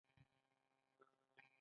استاد د ژوند مقصد درکوي.